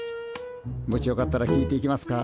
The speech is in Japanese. もしよかったら聞いていきますか？